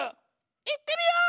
いってみよう！